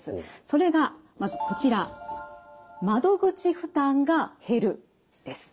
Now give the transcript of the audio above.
それがまずこちら「窓口負担が減る」です。